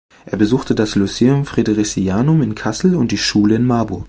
Er besuchte das Lyceum Fridericianum in Kassel und die Schule in Marburg.